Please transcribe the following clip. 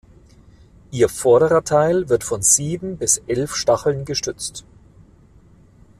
Ihr vorderer Teil wird von sieben bis elf Stacheln gestützt.